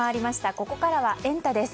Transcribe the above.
ここからはエンタ！です。